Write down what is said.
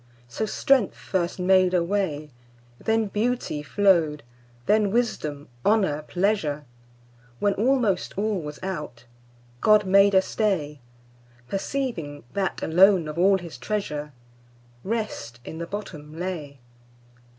So strength first made a way, Then beauty flow'd, then wisdom, honour, pleasure; When almost all was out, God made a stay, Perceiving that, alone of all His treasure, Rest in the bottom lay.